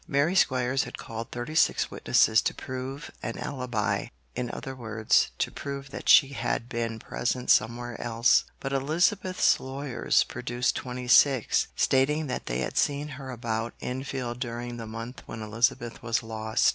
Mary Squires had called thirty six witnesses to 'prove an alibi' in other words, to prove that she had been present somewhere else; but Elizabeth's lawyers produced twenty six, stating that they had seen her about Enfield during the month when Elizabeth was lost.